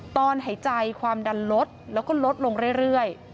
ตอนหายใจความดันลดแล้วก็ลดลงเรื่อย